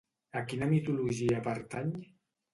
A quina mitologia pertany?